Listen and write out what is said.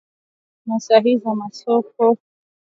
Soko ni kubwa tatizo ni kukosa taarifa sahihi za masoko